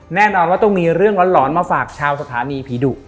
แน่นอนว่าต้องมีเรื่องร้อนมาฝากชาวสถานีผีดุ